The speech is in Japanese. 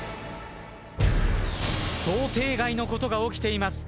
想定外のことが起きています。